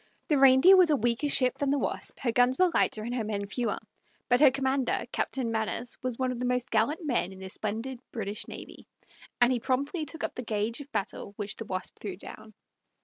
The Reindeer was a weaker ship than the Wasp, her guns were lighter, and her men fewer; but her commander, Captain Manners, was one of the most gallant men in the splendid British navy, and he promptly took up the gage of battle which the Wasp threw down.